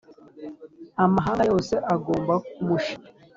amahanga yose agomba kumushima